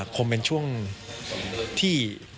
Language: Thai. คงเป็นช่วงที่